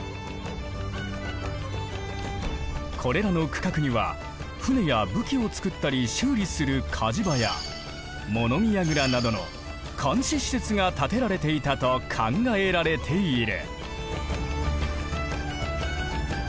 これらの区画には船や武器を造ったり修理する鍛冶場や物見櫓などの監視施設が建てられていたと考えられている。